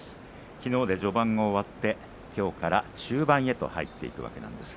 きのうで序盤が終わってきょうから中盤へと入っていくわけです。